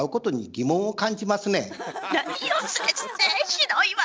ひどいわ。